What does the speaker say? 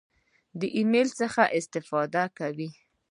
د ایمیل څخه استفاده کوئ؟